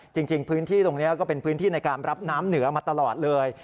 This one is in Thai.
จริงพื้นที่ตรงนี้ก็เป็นพื้นที่ในการรับน้ำเหนือมาตลอดเลย